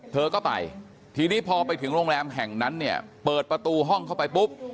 เธอก็ไปทีนี้พอไปถึงโรงแรมแห่งนั้นเนี่ยเปิดประตูห้องเข้าไปปุ๊บ